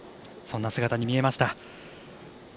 そんな姿に見えました。